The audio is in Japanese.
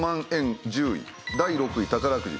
第６位宝くじ。